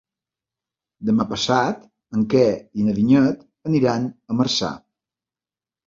Demà passat en Quer i na Vinyet aniran a Marçà.